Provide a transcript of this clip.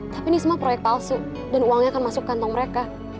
tapi ini semua proyek palsu dan uangnya akan masuk kantong mereka